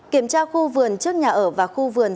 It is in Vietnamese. kiểm tra khu vườn trước nhà ở và khu vườn